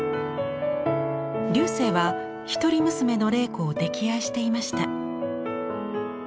劉生は一人娘の麗子を溺愛していました。